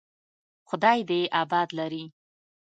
خداى دې يې اباد لري.